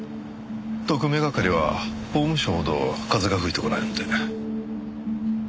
特命係は法務省ほど風が吹いてこないので。